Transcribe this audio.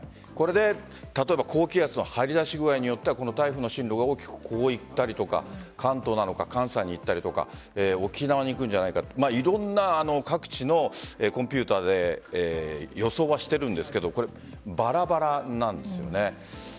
例えば高気圧の張り出し具合によっては台風の進路が大きくこう行ったりとか関東なのか、関西なのか沖縄に行くんじゃないかとかいろんな各地のコンピューターで予想はしているんですがバラバラなんです。